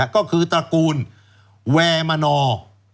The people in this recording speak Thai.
ก็คือตระกูลแวร์มนอร์